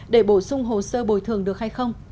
để bổ sung hồ sơ bồi thường được hay không